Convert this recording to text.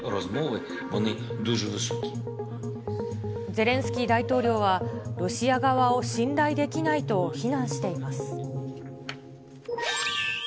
ゼレンスキー大統領は、ロシア側を信頼できないと非難しています。